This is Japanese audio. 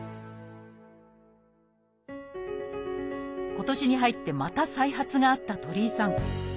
今年に入ってまた再発があった鳥居さん。